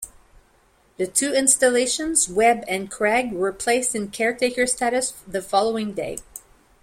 The two installations, Webb and Craig were placed in caretaker status the following day.